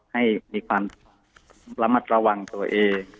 ให้มีความระมัดระวังตัวเอง